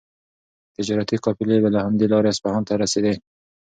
تجارتي قافلې به له همدې لارې اصفهان ته رسېدې.